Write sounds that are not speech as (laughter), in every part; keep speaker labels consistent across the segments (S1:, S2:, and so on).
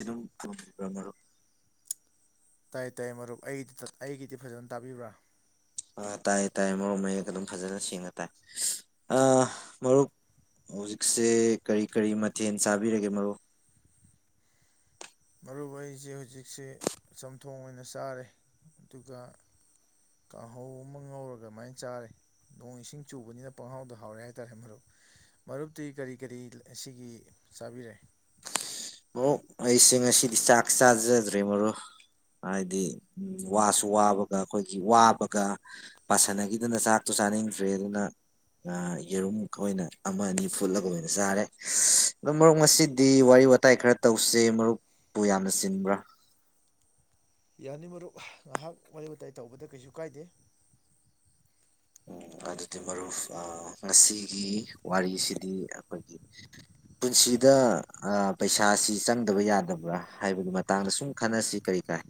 S1: ꯑꯗꯨꯝ (unintelligible) ꯃꯔꯨꯞ
S2: ꯇꯥꯏ ꯇꯥꯏ ꯃꯔꯨꯞ ꯑꯩꯒꯤꯗꯤ ꯑꯩꯒꯤꯗꯤ ꯐꯖꯅ ꯇꯥꯕꯤꯕ꯭ꯔꯥ
S1: ꯑꯥ ꯇꯥꯏ ꯇꯥꯏꯌꯦ ꯃꯔꯨꯞ ꯃꯌꯦꯛ ꯑꯗꯨꯝ ꯐꯖꯅ ꯁꯦꯡꯅ ꯇꯥꯏ ꯑ ꯃꯔꯨꯞ ꯍꯧꯖꯤꯛꯁꯦ ꯀꯔꯤ ꯀꯔꯤ ꯃꯊꯦꯜ ꯆꯥꯕꯤꯔꯒꯦ ꯃꯔꯨꯞ
S2: ꯃꯔꯨꯞ ꯑꯩꯁꯦ ꯍꯧꯖꯤꯛꯁꯦ ꯆꯝꯊꯣꯡ ꯑꯣꯏꯅ ꯆꯥꯔꯦ ꯑꯗꯨꯒ ꯀꯥꯡꯍꯧ ꯑꯃ ꯉꯧꯔꯒ ꯑꯃꯥꯏ ꯆꯥꯔꯦ ꯅꯣꯡ ꯏꯁꯤꯡ ꯆꯨꯕꯅꯤꯅ ꯄꯪꯍꯥꯎꯗ ꯍꯥꯎꯔꯦ ꯍꯥꯏꯇꯥꯔꯦ ꯃꯔꯨꯞ ꯃꯔꯨꯞꯇꯤ ꯀꯔꯤ ꯀꯔꯤ ꯉꯁꯤꯒꯤ ꯆꯥꯕꯤꯔꯦ
S1: ꯃꯔꯨꯞ ꯑꯩꯁꯦ ꯉꯁꯤꯗꯤ ꯆꯥꯛ ꯆꯥꯖꯗ꯭ꯔꯦ ꯃꯔꯨꯞ ꯍꯥꯏꯗꯤ ꯋꯥꯁꯨ ꯋꯥꯕꯒ ꯑꯩꯈꯣꯏꯒꯤ ꯋꯥꯕꯒ ꯄꯥꯁꯟꯅꯈꯤꯗꯅ ꯆꯥꯛꯇꯣ ꯆꯥꯅꯤꯡꯗ꯭ꯔꯦ ꯑꯗꯨꯅ ꯌꯦꯔꯨꯝ ꯑꯣꯏꯅ ꯑꯃ ꯑꯅꯤ ꯐꯨꯠꯂꯒ ꯑꯣꯏꯅ ꯆꯥꯔꯦ ꯑꯗ ꯃꯔꯨꯞ ꯉꯁꯤꯗꯤ ꯋꯥꯔꯤ ꯋꯥꯇꯥꯏ ꯈꯔ ꯇꯧꯁꯦ ꯃꯔꯨꯞꯄꯨ ꯌꯥꯝꯅ ꯆꯤꯟꯕ꯭ꯔꯥ
S2: ꯌꯥꯅꯤ ꯃꯔꯨꯞ ꯉꯥꯏꯍꯥꯛ ꯋꯥꯔꯤ ꯋꯥꯇꯥꯏ ꯇꯧꯕꯗ ꯀꯩꯁꯨ ꯀꯥꯏꯗꯦ
S1: ꯎꯝ ꯑꯗꯨꯗꯤ ꯃꯔꯨꯞ ꯉꯁꯤꯒꯤ ꯋꯥꯔꯤꯁꯤꯗꯤ ꯑꯩꯈꯣꯏꯒꯤ ꯄꯨꯟꯁꯤꯗ ꯑ ꯄꯩꯁꯥꯁꯤ ꯆꯪꯗꯕ ꯌꯥꯗꯕ꯭ꯔꯥ ꯍꯥꯏꯕꯒꯤ ꯃꯇꯥꯡꯗ ꯁꯨꯝ ꯈꯟꯅꯁꯤ ꯀꯔꯤ ꯀꯥꯏ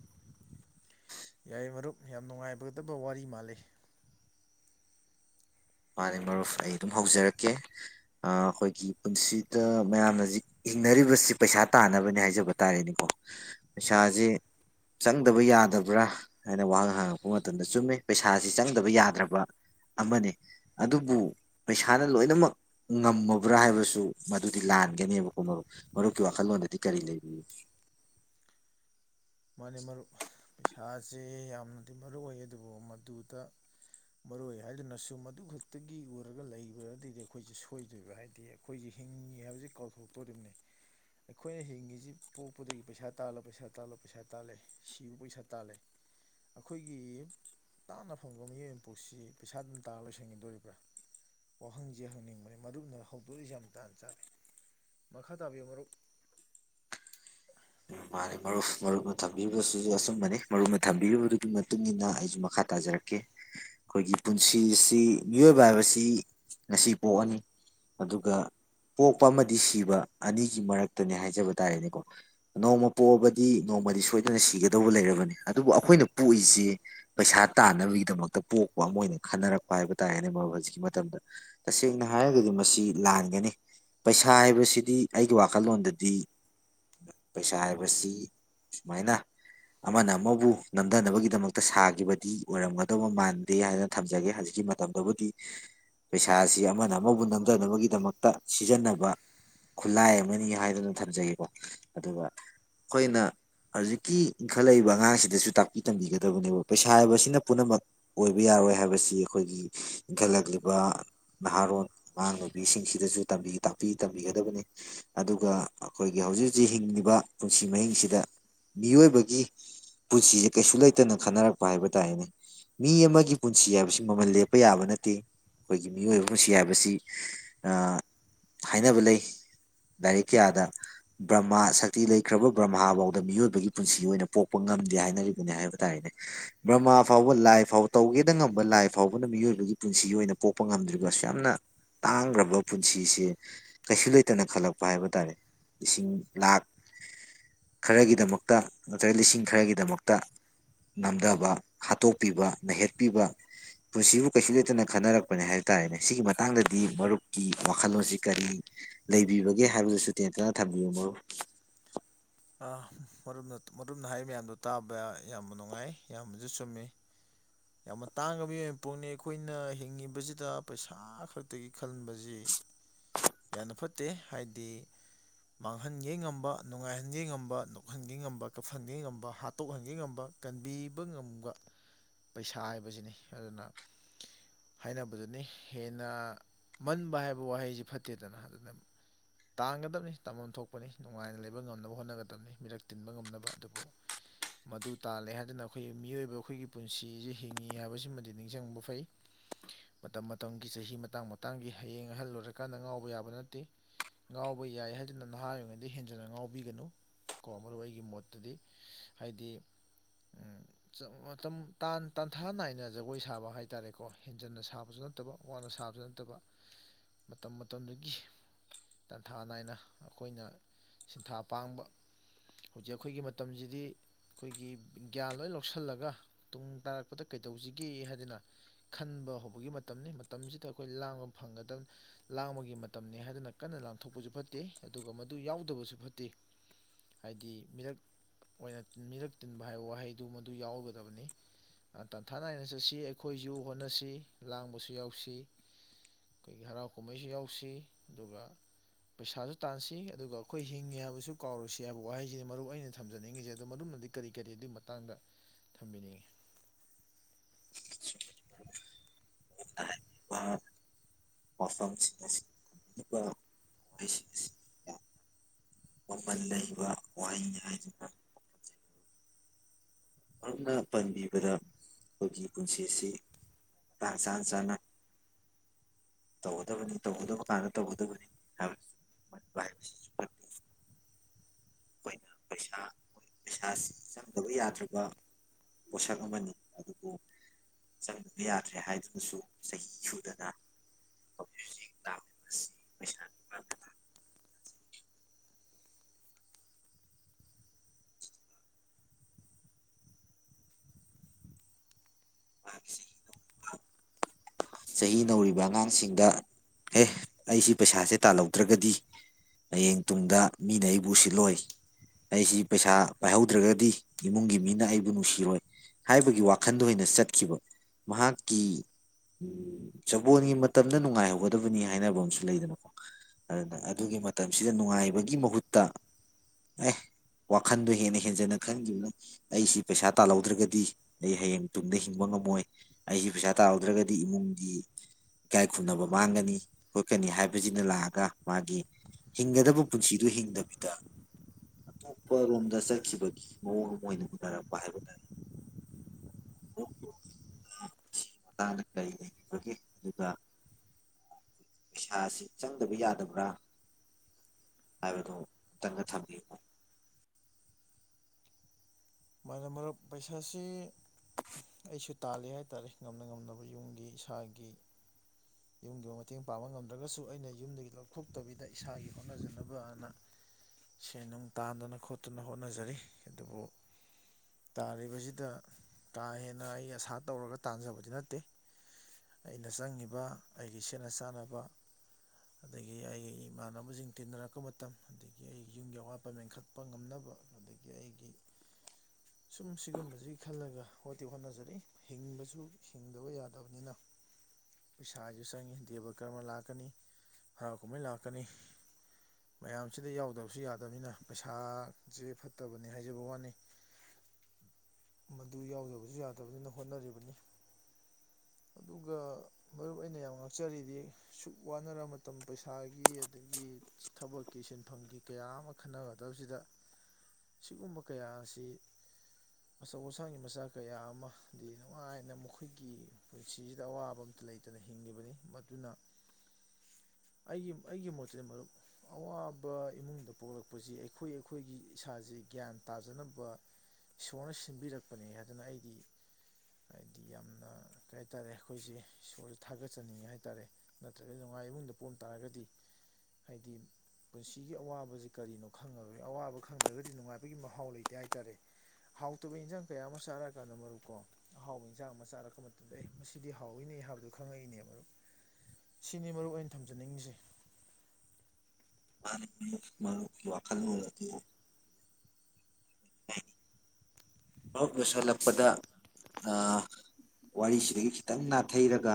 S2: ꯌꯥꯏ ꯃꯔꯨꯞ ꯌꯥꯝ ꯅꯨꯡꯉꯥꯏꯕꯒꯗꯕ ꯋꯥꯔꯤ ꯃꯥꯜꯂꯤ
S1: ꯃꯥꯅꯦ ꯃꯔꯨꯞ ꯑꯩ ꯑꯗꯨꯝ ꯍꯧꯖꯔꯛꯀꯦ ꯑ ꯑꯩꯈꯣꯏꯒꯤ ꯄꯨꯟꯁꯤꯗ ꯃꯌꯥꯝꯅꯖꯤꯛ ꯍꯤꯡꯅꯔꯤꯕꯁꯤ ꯄꯩꯁꯥ ꯇꯥꯅꯕꯅꯦ ꯍꯥꯏꯖꯕ ꯇꯥꯔꯦꯅꯦꯀꯣ ꯄꯩꯁꯥꯁ ꯆꯪꯗꯕ ꯌꯥꯗꯕ꯭ꯔꯥ ꯍꯥꯏꯅ ꯋꯥꯍꯪ ꯍꯪꯉꯛꯄ ꯃꯇꯝꯗ ꯆꯨꯝꯃꯦ ꯄꯩꯁꯥꯁꯤ ꯆꯪꯗꯕ ꯌꯥꯗ꯭ꯔꯕ ꯑꯃꯅꯤ ꯑꯗꯨꯕꯨ ꯄꯩꯁꯥꯅ ꯂꯣꯏꯅꯃꯛ ꯉꯝꯃꯕ꯭ꯔꯥ ꯍꯥꯏꯕꯁꯨ ꯃꯗꯨꯗꯤ ꯂꯥꯟꯒꯅꯦꯕꯀꯣ ꯃꯔꯨꯞ ꯃꯔꯨꯞꯀꯤ ꯋꯥꯈꯜꯂꯣꯟꯗꯗꯤ ꯀꯔꯤ ꯂꯩꯕꯤꯕꯒꯦ
S2: ꯃꯥꯅꯦ ꯃꯔꯨꯞ ꯄꯩꯁꯥꯁꯦ ꯌꯥꯝꯅꯗꯤ ꯃꯔꯨ ꯑꯣꯏ ꯑꯗꯨꯕꯨ ꯃꯗꯨꯗ ꯃꯔꯨ ꯑꯣꯏ ꯍꯥꯏꯗꯨꯅꯁꯨ ꯃꯗꯨ ꯈꯛꯇꯒꯤ ꯎꯔꯒ ꯂꯩꯕꯗꯒꯤꯗꯤ ꯑꯩꯈꯣꯏꯁꯦ ꯁꯣꯏꯗꯣꯏꯕ ꯍꯥꯏꯗꯤ ꯑꯩꯈꯣꯏꯁꯦ ꯍꯤꯡꯉꯤ ꯍꯥꯏꯕꯁꯤ ꯀꯥꯎꯊꯣꯛꯇꯣꯔꯤꯕꯅꯤ ꯑꯩꯈꯣꯏꯅ ꯍꯤꯡꯉꯤꯁꯤ ꯄꯣꯛꯄꯗꯒꯤ ꯄꯩꯁꯥ ꯇꯥꯜꯂ ꯄꯩꯁꯥ ꯇꯥꯜꯂꯣ ꯄꯩꯁꯥ ꯇꯥꯜꯂꯦ ꯁꯤꯕꯨꯛ ꯄꯩꯁꯥ ꯇꯥꯜꯂꯦ ꯑꯩꯈꯣꯏꯒꯤ ꯇꯥꯡꯅ ꯐꯪꯕ ꯃꯤꯑꯣꯏ ꯃꯄꯣꯛꯠꯁꯤ ꯄꯩꯁꯥ ꯑꯗꯨꯝ ꯇꯥꯜꯂ ꯂꯣꯏꯁꯤꯟꯒꯗꯣꯔꯤꯕ꯭ꯔꯥ ꯋꯥꯍꯪꯁꯦ ꯍꯪꯅꯤꯡꯕꯅꯤ ꯃꯔꯨꯞꯅ ꯍꯧꯗꯣꯔꯤꯁꯦ ꯌꯥꯝ ꯇꯥꯟ ꯆꯥꯔꯦ ꯃꯈꯥ ꯇꯥꯕꯤꯌꯨ ꯃꯔꯨꯞ
S1: ꯃꯥꯅꯦ ꯃꯔꯨꯞ ꯃꯔꯨꯞꯅ ꯊꯝꯕꯤꯔꯨꯕꯁꯤꯁꯨ ꯑꯆꯨꯝꯕꯅꯤ ꯃꯔꯨꯞꯅ ꯊꯝꯕꯤꯔꯨꯕꯗꯨꯒꯤ ꯃꯇꯨꯡ ꯃꯇꯨꯡꯏꯟꯅ ꯑꯩꯁꯨ ꯃꯈꯥ ꯇꯥꯖꯔꯛꯀꯦ ꯑꯩꯈꯣꯏꯒꯤ ꯄꯨꯟꯁꯤꯁꯤ ꯃꯤꯑꯣꯏꯕ ꯍꯥꯏꯕꯁꯤ ꯉꯁꯤ ꯄꯣꯛꯑꯅꯤ ꯑꯗꯨꯒ ꯄꯣꯛꯄ ꯑꯃꯗꯤ ꯁꯤꯕ ꯑꯅꯤꯒꯤ ꯃꯔꯛꯇꯅꯦ ꯍꯥꯏꯖꯕ ꯇꯥꯔꯦꯅꯦꯀꯣ ꯅꯣꯡꯃ ꯄꯣꯛꯑꯕꯗꯤ ꯅꯣꯡꯃꯗꯤ ꯁꯣꯏꯗꯅ ꯁꯤꯒꯗꯧꯕ ꯂꯩꯔꯕꯅꯤ ꯑꯗꯨꯕꯨ ꯑꯩꯈꯣꯏꯅ ꯄꯣꯛꯏꯁꯤ ꯄꯩꯁꯥ ꯇꯥꯟꯅꯕꯒꯤꯗꯃꯛꯇ ꯄꯣꯛꯄ ꯑꯃ ꯑꯣꯏꯅ ꯈꯟꯅꯔꯛꯄ ꯍꯥꯏꯕ ꯇꯥꯔꯦꯅꯦ ꯍꯧꯖꯤꯛꯀꯤ ꯃꯇꯝꯗ ꯇꯁꯦꯡꯅ ꯍꯥꯏꯔꯒꯗꯤ ꯃꯁꯤ ꯂꯥꯟꯒꯅꯤ ꯄꯩꯁꯥ ꯍꯥꯏꯕꯁꯤꯗꯤ ꯑꯩꯒꯤ ꯋꯥꯈꯜꯂꯣꯟꯗꯗꯤ ꯄꯩꯁꯥ ꯍꯥꯏꯕꯁꯤ ꯁꯨꯃꯥꯏꯅ ꯑꯃꯅ ꯑꯃꯕꯨ ꯅꯝꯊꯅꯕꯒꯤꯗꯃꯛꯇ ꯁꯥꯈꯤꯕꯗꯤ ꯑꯣꯏꯔꯝꯒꯗꯧꯕ ꯃꯥꯟꯗꯦ ꯍꯥꯏꯗꯅ ꯊꯝꯖꯒꯦ ꯍꯧꯖꯤꯛꯀꯤ ꯃꯇꯝꯗꯕꯨꯗꯤ ꯄꯩꯁꯥ ꯑꯁꯤ ꯑꯃꯅ ꯑꯃꯕꯨ ꯅꯝꯊꯅꯕꯒꯤꯗꯃꯛꯇ ꯁꯤꯖꯤꯟꯅꯕ ꯈꯨꯠꯂꯥꯏ ꯑꯃꯅꯤ ꯍꯥꯏꯗꯅ ꯊꯝꯖꯒꯦꯀꯣ ꯑꯗꯨꯒ ꯑꯩꯈꯣꯏꯅ ꯍꯧꯖꯤꯛꯀꯤ ꯏꯟꯈꯠꯂꯛꯏꯕ ꯑꯉꯥꯡꯁꯤꯗꯁꯨ ꯇꯥꯛꯄꯤ ꯇꯝꯕꯤꯒꯗꯕꯅꯦꯕ ꯄꯩꯁꯥ ꯍꯥꯏꯕꯁꯤꯅ ꯄꯨꯝꯅꯃꯛ ꯑꯣꯏꯕ ꯌꯥꯔꯣꯏ ꯍꯥꯏꯕꯁꯤ ꯑꯩꯈꯣꯏꯒꯤ ꯏꯟꯈꯠꯂꯛꯂꯤꯕ ꯅꯍꯥꯔꯣꯟ ꯑꯉꯥꯡ ꯅꯨꯨꯕꯤꯁꯤꯡꯁꯤꯗꯁꯨ ꯇꯝꯕꯤ ꯇꯥꯛꯄꯤ ꯇꯝꯕꯤꯒꯗꯕꯅꯤ ꯑꯗꯨꯒ ꯑꯩꯈꯣꯏꯒꯤ ꯍꯧꯖꯤꯛ ꯍꯧꯖꯤꯛ ꯍꯤꯡꯂꯤꯕ ꯄꯨꯟꯁꯤ ꯃꯍꯤꯡꯁꯤꯗ ꯃꯤꯑꯣꯏꯕꯒꯤ ꯄꯨꯟꯁꯤꯁꯦ ꯀꯩꯁꯨ ꯂꯩꯇꯅ ꯈꯟꯅꯔꯛꯄ ꯍꯥꯏꯕ ꯇꯥꯔꯦꯅꯦ ꯃꯤ ꯑꯃꯒꯤ ꯄꯨꯟꯁꯤ ꯍꯥꯏꯕꯁꯤ ꯃꯃꯜ ꯂꯦꯞꯄ ꯌꯥꯕ ꯅꯠꯇꯦ ꯑꯩꯈꯣꯏꯒꯤ ꯃꯤꯑꯣꯏꯕ ꯄꯨꯟꯁꯤ ꯍꯥꯏꯕꯁꯤ ꯍꯥꯏꯅꯕ ꯂꯩ ꯂꯥꯏꯔꯤꯛ ꯀꯌꯥꯗ ꯕ꯭ꯔꯃꯥ ꯁꯛꯇꯤ ꯂꯩꯈ꯭ꯔꯕ ꯕ꯭ꯔꯃꯥ ꯐꯥꯎꯗ ꯃꯤꯑꯣꯏꯕꯒꯤ ꯄꯨꯟꯁꯤ ꯑꯣꯏꯅ ꯄꯣꯛꯄ ꯉꯝꯗꯦ ꯍꯥꯏꯅꯔꯤꯕꯅꯤ ꯍꯥꯏꯕ ꯇꯥꯔꯦꯅꯦ ꯕ꯭ꯔꯃꯥ ꯐꯥꯎꯕ ꯂꯥꯏ ꯐꯥꯎꯕ ꯇꯧꯒꯦꯗ ꯉꯝꯕ ꯂꯥꯏ ꯐꯥꯎꯕꯅ ꯃꯤꯑꯣꯏꯕꯒꯤ ꯄꯨꯟꯁꯤ ꯑꯣꯏꯅ ꯄꯣꯛꯄ ꯉꯝꯗ꯭ꯔꯤꯕꯁꯨ ꯌꯥꯝꯅ ꯇꯥꯡꯈ꯭ꯔꯕ ꯄꯨꯟꯁꯤꯁꯦ ꯀꯩꯁꯨ ꯂꯩꯇꯅ ꯈꯜꯂꯛꯄ ꯍꯥꯏꯕ ꯇꯥꯔꯦ ꯂꯤꯁꯤꯡ ꯂꯥꯛ ꯈꯔꯒꯤꯗꯃꯛꯇ ꯅꯠꯇ꯭ꯔꯒ ꯂꯤꯁꯤꯡ ꯈꯔꯒꯤꯗꯃꯛꯇ ꯅꯝꯊꯕ ꯍꯥꯠꯇꯣꯛꯄꯤꯕ ꯅꯩꯍꯠꯄꯤꯕ ꯄꯨꯟꯁꯤꯕꯨ ꯀꯩꯁꯨ ꯂꯩꯇꯅ ꯈꯟꯅꯔꯛꯄꯅꯦ ꯍꯥꯏꯕ ꯇꯥꯔꯦꯅꯦ ꯁꯤꯒꯤ ꯃꯇꯥꯡꯗꯗꯤ ꯃꯔꯨꯞꯀꯤ ꯋꯥꯈꯜꯂꯣꯟꯁꯤ ꯀꯔꯤ ꯂꯩꯕꯤꯕꯒꯦ ꯍꯥꯏꯕꯗꯨꯁꯨ ꯇꯦꯟ ꯊꯕꯤꯌꯃ
S2: ꯑ ꯃꯔꯨꯞꯅ ꯍꯥꯏ ꯃꯌꯥꯝꯗꯣ ꯇꯥꯕ ꯌꯥꯝꯅ ꯅꯨꯡꯉꯥꯏ ꯌꯥꯝꯌꯥꯝꯅꯁꯨ ꯆꯨꯝꯃꯤ ꯌꯥꯝꯅ ꯇꯥꯡꯉꯕꯏꯄꯛꯅꯤ ꯑꯩꯈꯣꯏꯅ ꯍꯤꯡꯉꯤꯕꯁꯤꯗ ꯄꯩꯁꯥ ꯈꯛꯇꯒꯤ ꯈꯟꯕꯁꯤ ꯌꯥꯝꯅ ꯐꯠꯇꯦ ꯍꯥꯏꯗꯤ ꯃꯥꯡꯍꯟꯒꯦ ꯉꯝꯕ ꯅꯨꯡꯉꯥꯏ ꯈꯟꯒꯦ ꯉꯝꯕ ꯅꯣꯛꯍꯟꯒꯦ ꯉꯝꯕ ꯀꯞꯍꯟꯒꯦ ꯉꯝꯕ ꯍꯥꯠꯇꯣꯛꯍꯟꯒꯦ ꯉꯝꯕ ꯀꯟꯕꯤꯕ ꯉꯝꯕ ꯄꯩꯁꯥ ꯍꯥꯏꯕꯁꯤꯅꯤ ꯑꯗꯨꯅ ꯍꯥꯏꯅꯕꯗꯨꯅꯤ ꯍꯦꯟꯅ ꯃꯟꯕ ꯍꯥꯏꯕ ꯋꯥꯍꯩꯁꯤ ꯐꯠꯇꯦꯗꯅ ꯑꯗꯨꯅ ꯇꯥꯡꯒꯗꯕꯅꯤ ꯇꯝꯐꯝ ꯊꯣꯛꯄꯅꯤ ꯅꯨꯡꯉꯥꯏꯅ ꯂꯩꯕ ꯉꯝ ꯣꯠꯗꯕꯅꯤ ꯃꯤꯔꯛ ꯇꯤꯟꯕ ꯉꯝ ꯑꯗꯨꯕꯨ ꯃ ꯇꯥꯜꯂꯦ ꯍꯥꯏꯗꯅ ꯑꯩꯈ ꯃꯤꯑꯣꯕ ꯑꯩꯣꯏꯒꯤ ꯄꯨꯟꯁꯤꯁ ꯍꯤꯡꯉꯤ ꯍꯥꯏꯕꯁꯤꯃꯗꯤ ꯅꯤꯡꯁꯤꯡꯕ ꯐꯩ ꯃꯇꯝ ꯃꯇꯝꯒꯤ ꯆꯍꯤ ꯃꯇꯥꯡ ꯃꯇꯥꯡꯒꯤ ꯍꯌꯦꯡ ꯑꯍꯜ ꯑꯣꯏꯣꯏꯔꯀꯥꯟꯗ ꯉꯥꯎꯕ ꯌꯥꯕ ꯅꯠꯇꯦ ꯉꯥꯎꯕ ꯌꯥꯏ ꯍꯥꯏꯗꯅ ꯅꯍꯥ ꯑꯣꯏꯔꯤꯉꯩꯗ ꯍꯦꯟꯖꯟꯅ ꯉꯥꯎꯕ ꯇꯧꯕꯕꯤꯒꯅꯨ ꯀꯣ ꯃꯔꯨ ꯑꯩꯒꯤ ꯃꯣꯠꯇꯗꯤ ꯍꯥꯏꯗꯤ ꯃꯇꯝ ꯇꯥꯟꯊꯥ ꯅꯥꯏꯅ ꯖꯒꯣꯏ ꯁꯥꯕ ꯍꯥꯏꯇꯥꯔꯦꯀꯣ ꯍꯦꯟꯖꯟꯅ ꯁꯥꯕꯁꯨ ꯅꯠꯇꯕ ꯋꯥꯅ ꯁꯥꯕꯁꯨ ꯅꯠꯇꯕ ꯃꯇꯝ ꯃꯇꯝꯗꯨꯒꯤ ꯇꯥꯟꯊꯥ ꯅꯥꯏꯅ ꯑꯩꯈꯣꯏꯅ ꯁꯤꯟꯊꯥ ꯄꯥꯡꯕ ꯍꯧꯖꯤꯛ ꯑꯩꯈꯣꯏꯒꯤ ꯃꯇꯝꯁꯤꯗꯤ ꯑꯩꯈꯣꯏꯒꯤ ꯒ꯭ꯌꯥꯟ ꯂꯣꯏ ꯂꯧꯁꯤꯜꯂꯒ ꯇꯨꯡ ꯇꯥꯔꯛꯄꯗ ꯀꯩꯗꯧꯁꯤꯒꯦ ꯍꯥꯏꯗꯅ ꯈꯟꯕ ꯍꯧꯕꯒꯤ ꯃꯇꯝꯅꯤ ꯃꯇꯝꯁꯤꯗ ꯑꯩꯈꯣꯏ ꯂꯥꯡꯕ ꯐꯪꯒꯗꯕ ꯂꯥꯡꯕꯒꯤ ꯃꯇꯝꯅꯤ ꯍꯥꯏꯗꯅ ꯀꯟꯅ ꯂꯥꯡꯊꯣꯛꯄꯁꯨ ꯐꯠꯇꯦ ꯑꯗꯨꯒ ꯃꯗꯨ ꯌꯥꯎꯗꯕꯁꯨ ꯐꯠꯇꯦ ꯍꯥꯏꯗꯤ ꯃꯤꯔꯛ ꯑꯣꯏꯅ ꯃꯤꯔꯛ ꯇꯤꯟꯕ ꯍꯥꯏꯕ ꯋꯥꯍꯩꯗꯨ ꯃꯗꯨ ꯌꯥꯎꯔꯒꯗꯕꯅꯤ ꯇꯥꯟꯊꯥ ꯅꯥꯏꯅ ꯆꯠꯁꯤ ꯑꯩꯈꯣꯏꯁꯨ ꯍꯣꯠꯅꯁꯤ ꯂꯥꯡꯕꯁꯨ ꯌꯥꯎꯁꯤ ꯑꯩꯈꯣꯏꯒꯤ ꯍꯔꯥꯎ ꯀꯨꯝꯍꯩꯁꯨ ꯌꯥꯎꯁꯤ ꯑꯗꯨꯒ ꯄꯩꯁꯥꯁꯨ ꯇꯥꯟꯁꯤ ꯑꯗꯨꯒ ꯑꯩꯈꯣꯏ ꯍꯤꯡꯉꯤꯦ ꯍꯥꯏꯕꯁꯨ ꯀꯥꯎꯔꯁꯤ ꯍꯥꯏꯕ ꯋꯥꯍꯩꯁꯤꯅꯤ ꯃꯔꯨꯞ ꯑꯩꯅ ꯊꯝꯖꯅꯤꯡꯉꯤꯁꯦ ꯑꯗꯣ ꯃꯔꯝꯅꯗꯤ ꯀꯔꯤ ꯀꯔꯤ ꯑꯗꯨꯒꯤ ꯃꯇꯥꯡꯗ ꯊꯝꯕꯤꯅꯤꯡꯉꯤ
S1: ꯔꯤꯕ ꯃꯐꯝꯁꯤꯡ ꯑꯁꯤ ꯊꯝꯕ ꯋꯥꯍꯩꯁꯤꯡ ꯑꯁꯤ ꯌꯥꯝꯅ ꯃꯃꯟ ꯂꯩꯕ ꯋꯥꯍꯩꯅꯤ ꯍꯥꯏꯗꯨꯅ ꯃꯔꯝꯅ ꯄꯟꯕꯤꯕꯗ ꯑꯩꯈꯣꯏꯒꯤ ꯄꯨꯟꯁꯤꯁꯤ ꯆꯥꯛ ꯆꯥꯟꯅ ꯆꯥꯅ ꯇꯧꯒꯗꯕꯅꯤ ꯇꯧꯒꯗꯕ ꯀꯥꯟꯗ ꯇꯧꯒꯗꯕꯅꯤ ꯍꯥꯏꯕ ꯑꯩꯈꯣꯏꯅ ꯄꯩꯁꯥ ꯑꯩꯣꯏ ꯄꯩꯁꯥꯁꯤ ꯆꯪꯗꯕ ꯌꯥꯗ꯭ꯔꯕ ꯄꯣꯠꯁꯛ ꯑꯃꯅꯤ ꯑꯗꯨꯕꯨ ꯆꯪꯗꯕ ꯌꯥꯗ꯭ꯔꯦ ꯍꯥꯏꯗꯨꯅꯁꯨ ꯆꯍꯤ ꯁꯨꯗꯅ ꯍꯧꯖꯤꯛ ꯍꯧꯖꯤ ꯂꯥꯂꯤ ꯑꯁꯤ ꯄꯩꯁꯥꯒꯤ ꯄꯅ ꯂꯥꯛꯄꯅꯤ ꯒꯤ ꯆꯍꯤ ꯅꯧꯔꯤꯕ ꯑꯉꯥꯡꯁꯤꯡꯗ ꯑꯦ ꯑꯩꯁꯤ ꯄꯩꯁꯥꯁꯦ ꯇꯥꯜꯍꯧꯗ꯭ꯔꯒꯗꯤ ꯍꯌꯦꯡ ꯇꯨꯡꯗ ꯃꯤꯅ ꯑꯩꯕꯨ ꯁꯤꯜꯂꯣꯏ ꯑꯩꯁꯤ ꯄꯩꯁꯥ ꯄꯥꯏꯍꯧꯗ꯭ꯔꯒꯗꯤ ꯏꯃꯨꯡꯒꯤ ꯃꯤꯅ ꯑꯩꯕꯨ ꯅꯨꯡꯁꯤꯔꯣꯏ ꯍꯥꯏꯕꯒꯤ ꯋꯥꯈꯟꯗ ꯑꯣꯏꯅ ꯆꯠꯈꯤꯕ ꯃꯍꯥꯛꯀꯤ ꯎꯝ ꯆꯒꯣꯜꯒꯤ ꯃꯇꯝꯗ ꯅꯨꯡꯉꯥꯏꯍꯧꯒꯗꯕꯅꯤ ꯍꯥꯏꯅꯕ ꯑꯝꯁꯨ ꯂꯩꯗꯅꯀꯣ ꯑꯗꯨꯅ ꯑꯗꯨꯒꯤ ꯃꯇꯝꯁꯤꯗ ꯅꯨꯡꯉꯥꯏꯕꯒꯤ ꯃꯍꯨꯠꯇ ꯑꯦ ꯋꯥꯈꯟꯗꯣ ꯍꯦꯟꯅ ꯍꯦꯟꯖꯟꯅ ꯈꯟꯈꯤꯕꯅ ꯑꯩꯁꯤ ꯄꯩꯁꯥ ꯇꯥꯜꯍꯧꯗ꯭ꯔꯒꯗꯤ ꯑꯩ ꯍꯌꯦꯡ ꯇꯨꯡꯗ ꯍꯤꯡꯕ ꯉꯝꯃꯣꯏ ꯑꯩꯁꯤ ꯄꯩꯁꯥ ꯇꯥꯍꯧꯗ꯭ꯔꯒꯗꯤ ꯏꯃꯨꯡꯒꯤ ꯏꯀꯥꯏ ꯈꯨꯝꯅꯕ ꯃꯥꯡꯒꯅꯤ ꯈꯣꯠꯀꯅꯤ ꯍꯥꯏꯕꯁꯤꯅ ꯂꯥꯛꯑꯒ ꯃꯥꯒꯤ ꯍꯤꯡꯒꯗꯕ ꯄꯨꯟꯁꯤꯗꯨ ꯍꯤꯡꯗꯕꯤꯗ ꯑꯇꯣꯞꯄꯔꯣꯝꯗ ꯆꯠꯈꯤꯕꯒꯤ ꯃꯑꯣꯡ ꯑꯃ ꯑꯣꯏꯅ ꯎꯅꯔꯛꯄ ꯍꯥꯏꯕ ꯇꯥꯔꯦ ꯃꯇ ꯀꯔꯤꯒꯤ ꯑꯗꯨꯒ ꯄꯩꯁꯥꯁꯤ ꯆꯪꯗꯕ ꯌꯥꯗꯕ꯭ꯔꯥ ꯍꯥꯏꯕꯗꯣ ꯑꯨꯇꯪꯒ ꯊꯝꯕꯤꯀꯣ
S2: ꯃꯔ ꯄꯩꯁꯥꯁꯤ ꯑꯩꯁꯨ ꯇꯥꯜꯂꯤ ꯍꯥꯏꯇꯥꯥꯔꯦ ꯉꯝꯅ ꯉꯝꯅꯕ ꯌꯨꯝꯒꯤ ꯏꯁꯥꯒꯤ ꯌꯨꯝꯒꯤꯕꯨ ꯃꯇꯦꯡ ꯄꯥꯡꯕ ꯉꯝꯗ꯭ꯔꯒꯁꯨ ꯑꯩꯅ ꯌꯨꯝꯗꯒꯤ ꯂꯧꯊꯣꯛꯇꯕꯤꯗ ꯏꯁꯥꯒꯤ ꯍꯣꯠꯅꯖꯅꯕꯅ ꯁꯦꯟ ꯅꯨꯡ ꯇꯥꯟꯗꯅ ꯈꯣꯠꯇꯅ ꯍꯣꯠꯅꯖꯔꯤ ꯑꯗꯨꯕꯨ ꯇꯥꯔꯤꯕꯁꯤꯗ ꯀꯥ ꯍꯦꯟꯅ ꯑꯩ ꯑꯁꯥ ꯇꯧꯔꯒ ꯇꯥꯟꯖꯕꯗꯤ ꯅꯠꯇꯦ ꯑꯩꯅ ꯆꯪꯉꯤꯕ ꯑꯩꯒꯤ ꯁꯦꯠꯅ ꯆꯥꯅꯕ ꯑꯗꯒꯤ ꯑꯩꯒꯤ ꯏꯃꯥꯟꯅꯕꯁꯤꯡ ꯇꯤꯟꯅꯔꯛꯄ ꯃꯇꯝ ꯑꯗꯒꯤ ꯑꯩꯒꯤ ꯌꯨꯝꯒꯤ ꯑꯋꯥꯠꯄ ꯃꯦꯟꯈꯠꯄ ꯉꯝꯅꯕ ꯑꯗꯒꯤ ꯑꯩꯒꯤ ꯁꯨꯝ ꯁꯤꯒꯨꯝꯕꯁꯤ ꯈꯜꯂꯒ ꯍꯣꯠꯇꯤ ꯍꯣꯠꯅꯖꯔꯤ ꯍꯤꯡꯕꯁꯨ ꯍꯤꯡꯗꯕ ꯌꯥꯗꯕꯅꯤꯅ ꯄꯩꯁꯥꯁꯨ ꯆꯪꯉꯤ ꯗꯦꯕ ꯀꯔꯃ ꯂꯥꯛꯀꯅꯤ ꯍꯔꯥꯎ ꯀꯨꯝꯍꯩ ꯂꯥꯛꯀꯅꯤ ꯃꯌꯥꯝꯁꯤꯗ ꯌꯥꯎꯗꯕꯁꯨ ꯌꯥꯗꯕꯅꯤꯅ ꯄꯩꯁꯥꯁꯦ ꯐꯠꯇꯕꯅꯤ ꯍꯥꯏ ꯍꯥꯏꯖꯕ ꯋꯥꯅꯤ ꯃꯗꯨ ꯌꯥꯎꯖꯕꯁꯨ ꯌꯥꯗꯕꯅꯤꯅ ꯍꯣꯠꯅꯔꯤꯕꯅꯤ ꯑꯗꯨꯒ ꯃꯔꯨꯞ ꯑꯩꯅ ꯌꯥꯝ ꯉꯥꯛꯆꯔꯤꯗꯤ ꯁꯨꯛ ꯋꯥꯅꯔ ꯃꯇꯝ ꯄꯩꯁꯥꯒꯤ ꯑꯗꯒꯤ ꯊꯕꯛꯀꯤ ꯁꯦꯟꯐꯝꯒꯤ ꯀꯌꯥ ꯑꯃ ꯈꯟꯅꯒꯗꯕꯁꯤꯗ ꯁꯤꯒꯨꯝꯕ ꯀꯌꯥ ꯑꯁꯤ ꯑꯆꯧ ꯑꯁꯥꯡꯒꯤ ꯃꯆꯥꯛ ꯀꯌꯥ ꯑꯃꯗꯤ ꯅꯨꯡꯉꯥꯏꯅ ꯃꯈꯣꯏꯒꯤ ꯄꯨꯟꯁꯤꯁꯤꯗ ꯑꯋꯥꯕ ꯑꯃꯝꯇ ꯂꯩꯇꯅ ꯍꯤꯡꯂꯤꯕꯅꯤ ꯃꯗꯨꯅ ꯑꯩꯒꯤ ꯑꯩꯒꯤ ꯃꯣꯠꯇꯗ ꯃꯔꯨꯞ ꯑꯋꯥꯕ ꯏꯃꯨꯡꯗ ꯄꯣꯛꯂꯛꯄꯁꯤ ꯑꯩꯈꯣꯏ ꯑꯩꯈꯣꯏꯒꯤ ꯏꯁꯥꯁꯤ ꯒ꯭ꯌꯥꯟ ꯇꯥꯖꯅꯕ ꯏꯁꯣꯔꯅ ꯁꯤꯟꯕꯤꯔꯛꯄꯅꯦ ꯍꯥꯏꯗꯅ ꯑꯩꯗꯤ ꯍꯥꯏꯗꯤ ꯌꯥꯝꯅ ꯀꯩ ꯍꯥꯏꯇꯥꯔꯦ ꯑꯩꯈꯣꯏꯁꯦ ꯏꯁꯣꯔꯁꯦ ꯊꯥꯒꯠꯆꯅꯤꯡꯉꯦ ꯍꯥꯏꯇꯥꯔꯦ ꯅꯠꯇ꯭ꯔꯒ ꯅꯨꯡꯉꯥꯏ ꯏꯃꯨꯡꯗ ꯄꯣꯝ ꯇꯥꯔꯒꯗꯤ ꯍꯥꯏꯗꯤ ꯄꯨꯟꯁꯤꯒꯤ ꯑꯋꯥꯕꯁꯤ ꯀꯔꯤꯅꯣ ꯈꯪꯉꯕ ꯑꯋꯥꯕ ꯈꯪꯗ꯭ꯔꯒꯗꯤ ꯅꯨꯡꯉꯥꯏ ꯒꯤ ꯃꯍꯥꯎ ꯂꯩꯇꯦ ꯍꯥꯏꯇꯥꯔꯦ ꯍꯥꯎꯇꯕ ꯏꯟꯖꯥꯡ ꯀꯌꯥ ꯑꯃ ꯆꯥꯔꯛꯑꯀꯥꯟꯗ ꯃꯔꯨꯞꯀꯣ ꯑꯍꯥꯎꯕ ꯏꯟꯖꯥꯡ ꯑꯃ ꯆꯥꯔꯛꯄ ꯃꯇꯝꯗ ꯑꯦ ꯃꯁꯤꯗꯤ ꯍꯥꯎꯋꯤꯅꯦ ꯍꯥꯏꯕꯗꯨꯣ ꯈꯪꯉꯛꯏꯅꯦ ꯃꯔꯨꯞ ꯁꯤꯅꯤ ꯃꯔꯨꯞ ꯑ ꯑꯣꯏꯅ ꯊꯝꯖꯅꯤꯡꯉꯤꯁꯦ
S1: ꯃꯥ ꯃꯥ ꯋꯥ ꯈꯜ ꯃꯔ ꯂꯣꯏꯁꯤꯜꯂꯛꯄꯗ ꯋꯥꯔꯤꯁꯤꯗꯒꯤ ꯈꯤꯇꯪ ꯅꯥꯊꯩꯔꯒ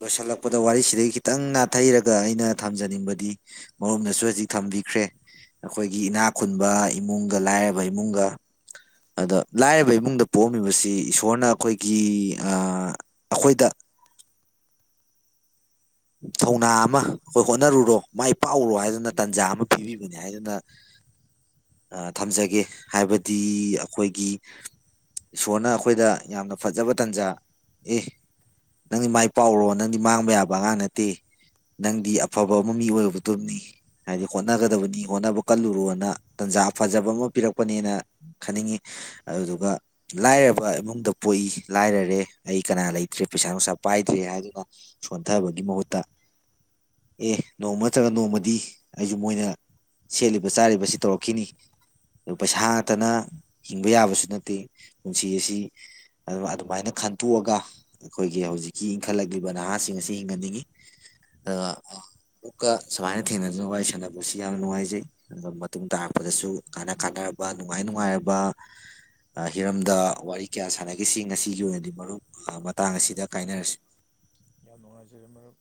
S1: ꯂꯣꯏꯁꯤꯜꯂꯛꯄꯗ ꯋꯥꯔꯤꯁꯤꯗꯒꯤ ꯈꯤꯇꯪ ꯅꯥꯊꯩꯔꯒ ꯑꯩꯅ ꯊꯝꯖꯅꯤꯡꯕꯗꯤ ꯃꯔꯣꯝꯗꯁꯨ ꯍꯧꯖꯤꯛ ꯊꯝꯕꯤꯈ꯭ꯔꯦ ꯑꯩꯈꯣꯏꯒꯤ ꯏꯅꯥ ꯈꯨꯨꯟꯕ ꯏꯃꯨꯡꯒ ꯂꯥꯏꯔꯕ ꯏꯃꯨꯡꯒ ꯑꯗ ꯂꯥꯏꯔꯕ ꯏꯃꯨꯡꯗ ꯄꯣꯛꯑꯝꯃꯤꯕꯁꯤ ꯏꯁꯣꯔꯅ ꯑꯩꯈꯣꯏꯒꯤ ꯑꯩꯈꯣꯏꯗ ꯊꯧꯅꯥ ꯑꯃ ꯑꯩꯈꯣꯏ ꯍꯣꯠꯅꯔꯨꯔꯣ ꯃꯥꯏ ꯄꯥꯛꯎꯔꯣ ꯍꯥꯏꯗꯨꯅ ꯇꯥꯟꯖꯥ ꯑꯃ ꯄꯤꯕꯤꯕꯅꯦ ꯍꯥꯏꯗꯨꯅ ꯊꯝꯖꯒꯦ ꯍꯥꯏꯕꯗꯤ ꯑꯩꯈꯣꯏꯒꯤ ꯏꯁꯣꯔꯅ ꯑꯩꯈꯣꯏꯗ ꯌꯥꯝꯅ ꯐꯖꯕ ꯇꯥꯟꯖꯥ ꯑꯦ ꯅꯪꯗꯤ ꯃꯥꯏ ꯄꯥꯛꯔꯣ ꯅꯪꯗꯤ ꯃꯥꯡꯕ ꯌꯥꯕ ꯑꯉꯥꯡ ꯅ ꯅꯠꯇꯦ ꯅꯪꯗꯤ ꯑꯐꯕ ꯑꯃ ꯃꯤ ꯑꯣꯏꯔꯨꯕꯗꯨꯅꯤ ꯍꯥꯏꯗꯤ ꯍꯣꯠꯅꯒꯗꯕꯅꯤ ꯍꯣꯠꯅꯕ ꯀꯜꯂꯨꯔꯣꯅ ꯇꯟꯖꯥ ꯐꯖꯕ ꯑꯃ ꯄꯤꯔꯛꯄꯅꯦꯅ ꯈꯟꯅꯤꯡꯉꯤ ꯑꯗꯨꯗꯨꯒ ꯂꯥꯏꯔꯕ ꯏꯃꯨꯡꯗ ꯄꯣꯛꯏ ꯂꯥꯏꯔꯔꯦ ꯑꯩ ꯀꯅꯥ ꯂꯩꯇ꯭ꯔꯦ ꯄꯩꯁꯥ ꯅꯨꯡꯁꯥ ꯄꯥꯏꯗ꯭ꯔꯦ ꯍꯥꯏꯗꯨꯅ ꯁꯣꯟꯊꯕꯒꯤ ꯃꯍꯨ ꯇ ꯑꯦ ꯅꯣꯡꯃ ꯅꯠꯇ꯭ꯔꯒ ꯅꯣꯡꯃꯗꯤ ꯑꯩꯁꯨ ꯃꯣꯏꯅ ꯁꯦꯠꯂꯤꯕ ꯆꯥꯔꯤꯕꯁꯤ ꯇꯧꯔꯛꯈꯤꯅꯤ ꯑꯗꯨ ꯄꯩꯁꯥ ꯉꯥꯛꯇꯅ ꯍꯤꯡꯕ ꯌꯥꯕꯁꯨ ꯅꯠꯇꯦ ꯄꯨꯟꯁꯤ ꯑꯁꯤ ꯑꯗꯨꯃꯥꯏꯅ ꯈꯟꯇꯣꯛꯑꯒ ꯑꯩꯈꯣꯏꯒꯤ ꯍꯧꯖꯤꯛꯀꯤ ꯏꯟꯈꯠꯂꯛꯂꯤꯕ ꯅꯍꯥꯁꯤꯡ ꯑꯁꯤ ꯍꯤꯡꯍꯟꯅꯤꯡꯉꯤ ꯑ ꯑꯃꯨꯛꯀ ꯁꯨꯃꯥꯏꯅ ꯊꯦꯡꯅꯗꯨꯅ ꯋꯥꯔꯤ ꯁꯥꯟꯅꯕꯁꯤ ꯌꯥꯝ ꯅꯨꯡꯉꯥꯏꯖꯩ ꯑꯗꯨꯒ ꯃꯇꯨꯡ ꯇꯥꯔꯛꯄꯗꯁꯨ ꯀꯥꯟꯅ ꯀꯥꯅꯔꯕ ꯅꯨꯡꯉꯥꯏ ꯅꯨꯡꯉꯥꯏꯔꯕ ꯍꯤꯔꯝꯗ ꯋꯥꯔꯤ ꯀꯌꯥ ꯁꯥꯟꯅꯈꯤꯁꯤ ꯉꯁꯤꯒꯤ ꯑꯣꯏꯅꯗꯤ ꯃꯔꯨꯞ ꯃꯇꯥꯡ ꯑꯁꯤꯗ ꯀꯥꯏꯅꯔꯁꯤ
S2: ꯌꯥꯝ ꯅꯨꯡꯖꯔꯤ ꯃꯔꯨꯋ